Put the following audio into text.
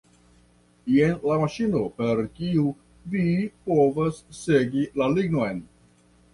Jen la maŝino, per kiu vi povas segi la lignon.